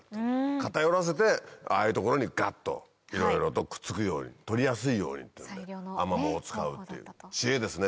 片寄らせてああいう所にガッといろいろとくっつくように取りやすいようにってアマモを使うっていう知恵ですね。